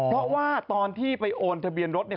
เพราะว่าตอนที่ไปโอนทะเบียนรถเนี่ย